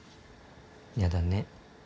やだね。